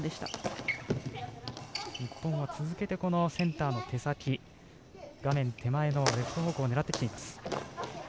日本は続けてセンターの手先画面手前の奥、レフト方向を狙ってきています。